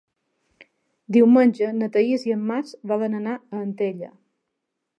Diumenge na Thaís i en Max volen anar a Antella.